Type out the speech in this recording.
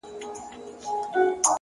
صبر د سختو حالاتو توازن ساتي،